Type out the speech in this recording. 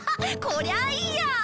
こりゃあいいや！